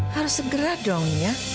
harus segera dong ya